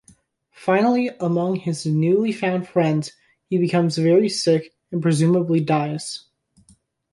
Finally, among his newly found friends he becomes very sick and presumably dies.